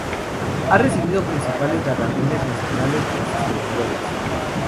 Ha recibido los principales galardones nacionales por sus telenovelas.